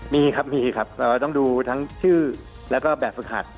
มีครับมีครับเราต้องดูทั้งชื่อแล้วก็แบบฝึกหัด